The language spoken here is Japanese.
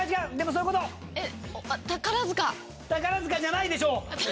宝塚じゃないでしょ！